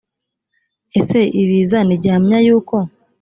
ese ibiza ni gihamya y uko